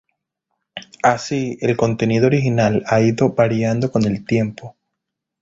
Así, el contenido original ha ido variando con el tiempo.